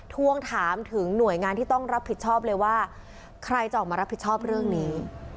ทวงถามถึงหน่วยงานที่ต้องรับผิดชอบเลยว่าใครจะออกมารับผิดชอบเรื่องนี้